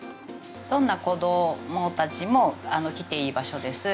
どんな子供達も来ていい場所です